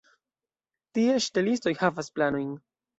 Tie ŝtelistoj havas planojn.